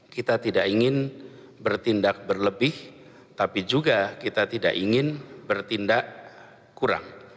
kita tidak ingin bertindak berlebih tapi juga kita tidak ingin bertindak kurang